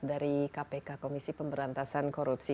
dari kpk komisi pemberantasan korupsi